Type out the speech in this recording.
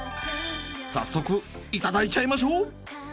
早速いただいちゃいましょう。